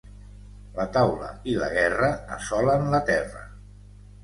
La taula i la guerra assolen la terra.